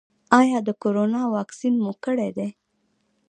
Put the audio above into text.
ایا د کرونا واکسین مو کړی دی؟